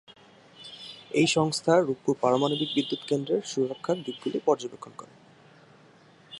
এই সংস্থা রূপপুর পারমাণবিক বিদ্যুৎ কেন্দ্রের সুরক্ষার দিকগুলি পর্যবেক্ষণ করে।